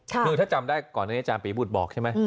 ค่ะคือถ้าจำได้ก่อนหน้านี้อาจารย์ปียบุตรบอกใช่ไหมอืม